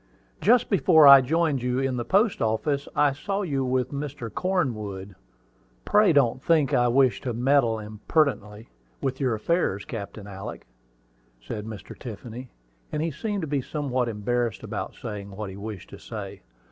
"Just before I joined you in the post office, I saw you with Mr. Cornwood. Pray don't think I wish to meddle impertinently with your affairs, Captain Alick," said Mr. Tiffany; and he seemed to be somewhat embarrassed about saying what he wished to say.